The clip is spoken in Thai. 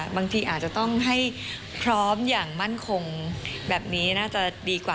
บางทีอาจจะต้องให้พร้อมอย่างมั่นคงแบบนี้น่าจะดีกว่า